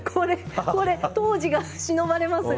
当時がしのばれますが。